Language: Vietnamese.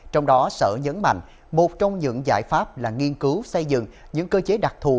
trong đó sở nhấn mạnh một trong những giải pháp là nghiên cứu xây dựng những cơ chế đặc thù